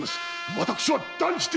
私は断じて！